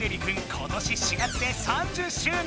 今年４月で３０周年！